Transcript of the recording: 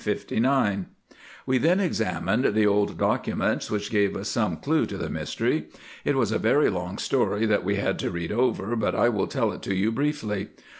"We then examined the old documents which gave us some clue to the mystery. It was a very long story that we had to read over, but I will tell it to you briefly.